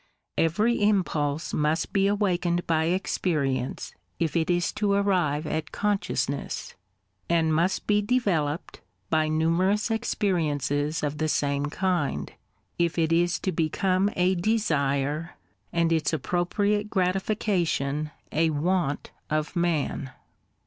Every impulse must be awakened by experience if it is to arrive at consciousness, and must be developed by numerous experiences of the same kind, if it is to become a desire, and its appropriate gratification a want of man.